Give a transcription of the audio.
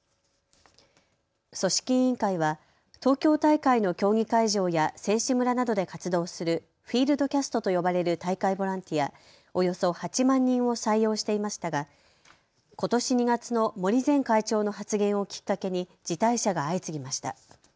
組織委員会は東京大会の競技会場や選手村などで活動するフィールドキャストと呼ばれる大会ボランティア、およそ８万人を採用していましたが、ことし２月の森前会長の発言をきっかけに辞退者が相次ぎました。